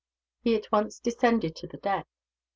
He at once descended to the deck.